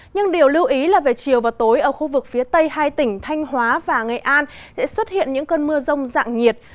nhưng điều lưu ý là về chiều và tối ở khu vực phía tây hai tỉnh thanh hóa và nghệ an sẽ xuất hiện những cơn mưa rông dạng nhiệt